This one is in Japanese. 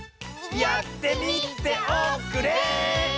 やってみておくれ！